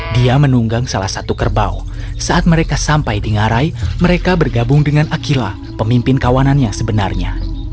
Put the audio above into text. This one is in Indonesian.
dia menunggang salah satu kerbau saat mereka sampai di ngarai mereka bergabung dengan akila pemimpin kawanan yang sebenarnya